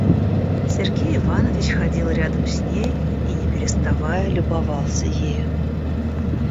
Сергей Иванович ходил рядом с ней и не переставая любовался ею.